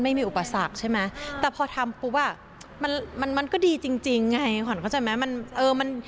ไม่มีอุปสรรคใช่ไหมแต่พอทำปุ๊บมันก็ดีจริงไง